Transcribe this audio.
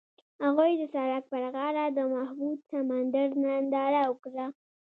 هغوی د سړک پر غاړه د محبوب سمندر ننداره وکړه.